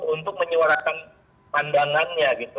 untuk menyuarakan pandangannya gitu